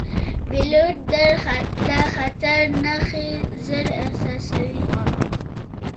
پیلوټ د خطر نښې ژر احساسوي.